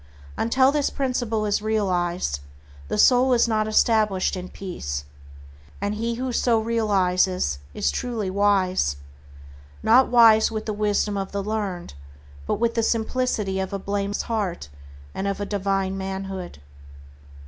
Until this principle is realized, the soul is not established in peace, and he who so realizes is truly wise; not wise with the wisdom of the learned, but with the simplicity of a blameless heart and of a divine manhood.